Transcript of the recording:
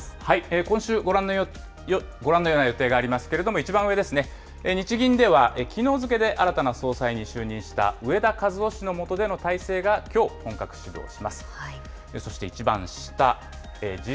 今週、ご覧のような予定がありますけれども、一番上ですね、日銀ではきのう付けで新たな総裁に就任した植田和男氏の下での体制がきょう本格始動します。